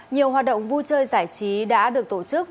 nhiều hoạt động vui chơi giải trí đã được tổ chức